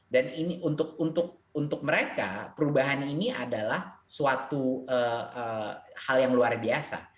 dan untuk mereka perubahan ini adalah suatu hal yang luar biasa